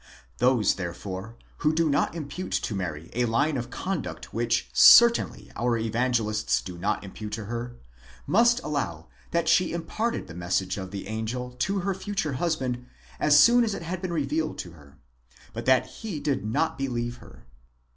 Those, therefore, who do not impute to Mary a line of conduct which certainly our Evangelists do not impute to her, must allow that she imparted the message of the angel to her future husband as soon as it had been revealed to her; but that he did not believe her.